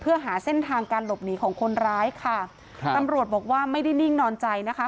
เพื่อหาเส้นทางการหลบหนีของคนร้ายค่ะครับตำรวจบอกว่าไม่ได้นิ่งนอนใจนะคะ